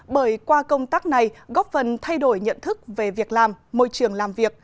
bởi qua công tác này góp phần thay đổi nhận thức về việc làm môi trường làm việc